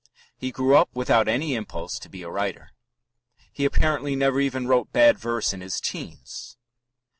He grew up without any impulse to be a writer. He apparently never even wrote bad verse in his teens.